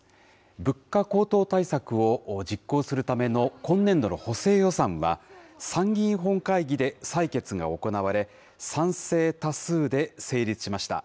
物価高騰対策を実行するための今年度の補正予算は、参議院本会議で採決が行われ、賛成多数で成立しました。